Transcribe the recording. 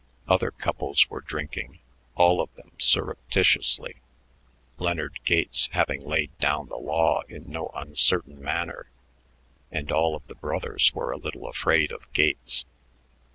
Other couples were drinking, all of them surreptitiously, Leonard Gates having laid down the law in no uncertain manner, and all of the brothers were a little afraid of Gates.